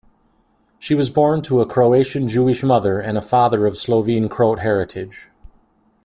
She was born to a Croatian Jewish mother, and a father of Slovene-Croat heritage.